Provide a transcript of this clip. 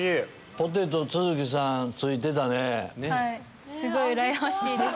ポテト都筑さん付いてたね。